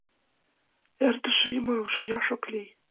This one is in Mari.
Эртыше ӱмырым шуяш ок лий.